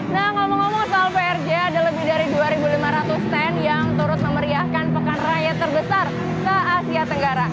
nah ngomong ngomong soal prj ada lebih dari dua lima ratus stand yang turut memeriahkan pekan raya terbesar se asia tenggara